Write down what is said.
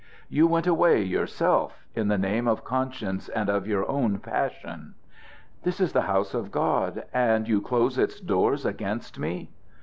"You went away yourself, in the name of conscience and of your own passion." "This is the house of God, and you close its doors against me?"